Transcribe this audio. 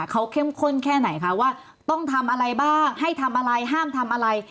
เขาเข้มข้นแค่ไหนคะว่าต้องทำอะไรบ้างให้ทำอะไรห้ามทำอะไร